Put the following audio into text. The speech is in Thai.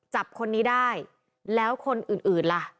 จับคนนี้ได้แล้วคนอื่นล่ะ